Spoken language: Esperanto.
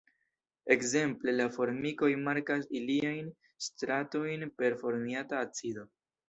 Ekzemple la formikoj markas iliajn „stratojn“ per formiata acido.